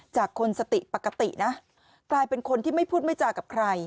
คนสติปกตินะกลายเป็นคนที่ไม่พูดไม่จากับใคร